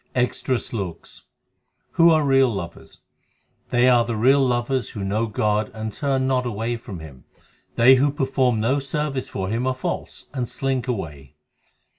EXTRA SLOKS Who are real lovers : They are the real lovers who know God and turn not away from Him ; They who perform no service for Him are false, and slink away.